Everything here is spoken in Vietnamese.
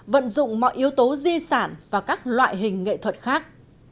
vận dụng mọi yếu tố di sản và các loại hình nghệ thuật khác